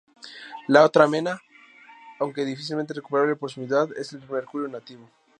La otra mena, aunque difícilmente recuperable por su movilidad, es el mercurio nativo.